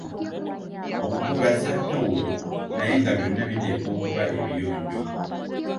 Okwo kwebassa ttawulo, naye nga byonna biteekwa okuba ebiyonjo.